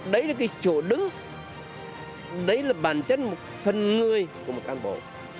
đấy là cái chỗ đứng đấy là bản chân một phần người của một cán bộ